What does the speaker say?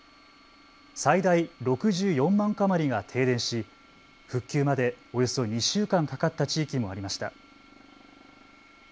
最大６４万戸余りが停電し復旧までおよそ２週間かかった地域もありました。